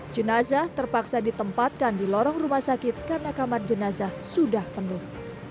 jenazah terpaksa ditempatkan di lorong rumah sakit karena kamar jenazah sudah penuh